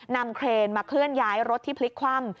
เครนมาเคลื่อนย้ายรถที่พลิกคว่ำ